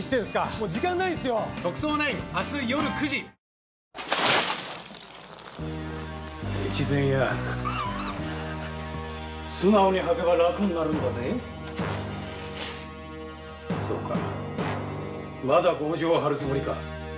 そうかまだ強情を張るつもりか。